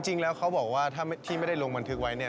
จริงแล้วเขาบอกว่าถ้าที่ไม่ได้ลงบันทึกไว้เนี่ย